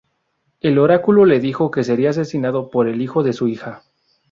El oráculo le dijo que sería asesinado por el hijo de su hija.